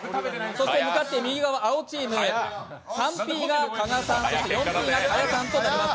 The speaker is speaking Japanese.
そして向かって右側青チーム３Ｐが加賀さん、４Ｐが賀屋さんとなります。